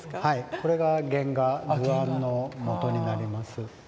これが原画図案のもとになります。